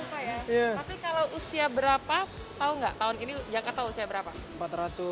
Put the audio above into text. tapi kalau usia berapa tahu nggak tahun ini jakarta usia berapa